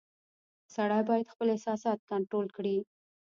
• سړی باید خپل احساسات کنټرول کړي.